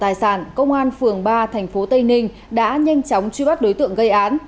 tổng tài sản công an phường ba tp tây ninh đã nhanh chóng truy bắt đối tượng gây án